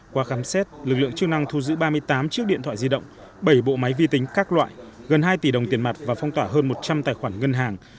qua khám xét lực lượng chức năng thu giữ ba mươi tám chiếc điện thoại di động bảy bộ máy vi tính các loại gần hai tỷ đồng tiền mặt và phong tỏa hơn một trăm linh tài khoản ngân hàng